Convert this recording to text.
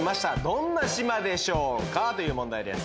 どんな島でしょうか？という問題です